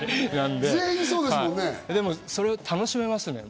でもそれは楽しめますね。